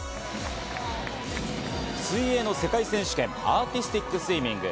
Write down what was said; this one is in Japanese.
水泳の世界選手権アーティスティックスイミング。